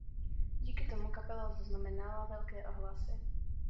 Díky tomu kapela zaznamenala velké ohlasy.